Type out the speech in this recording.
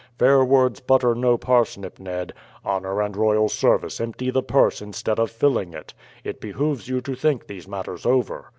Fair words butter no parsnip, Ned. Honour and royal service empty the purse instead of filling it. It behooves you to think these matters over."